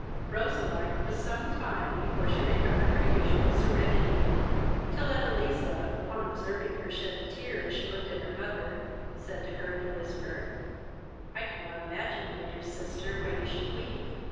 Roseline was some time before she recovered her usual serenity, till Edeliza, on observing her shed a tear as she looked at her mother, said to her, in a whisper, "I cannot imagine, my dear sister, why you should weep.